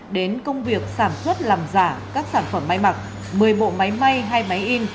đến công việc sản xuất làm giả các sản phẩm may mặc một mươi bộ máy may hai máy in